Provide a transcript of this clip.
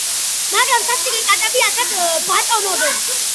მაგრამ სასტიკი კატები აქაც ბატონობენ.